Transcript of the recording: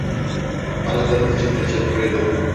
Aradığınız için teşekkür ederim.